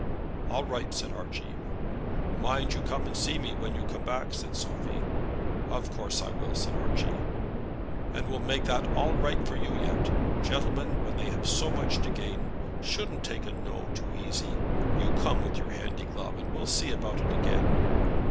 "All right," said Archie. "Mind you come and see me when you come back," said Sophie. "Of course I will," said Archie. "And we'll make that all right for you yet. Gentlemen, when they have so much to gain, shouldn't take a No too easy. You come with your handy glove, and we'll see about it again."